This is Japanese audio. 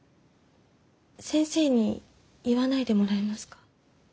先生に言わないでもらえますか？